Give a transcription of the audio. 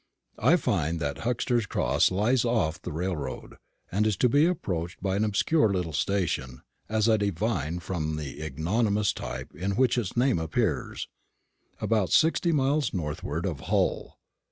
I find that Huxter's Cross lies off the railroad, and is to be approached by an obscure little station as I divine from the ignominious type in which its name appears about sixty miles northward of Hull.